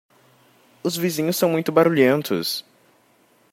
Os vizinhos são muito barulhentos.